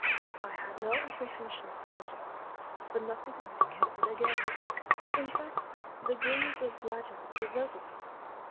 I had no apprehension of danger, for nothing indicated a gale; in fact, the breeze was gradually deserting us.